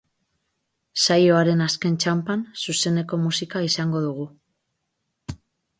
Saioaren azken txanpan, zuzeneko musika izango dugu.